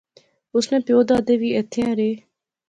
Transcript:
اس نے پیو دادے وی ایتھیں ایہہ رہے